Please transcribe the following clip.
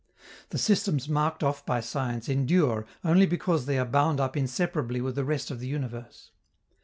The systems marked off by science endure only because they are bound up inseparably with the rest of the universe.